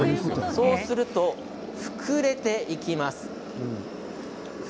そうすると膨れていきます。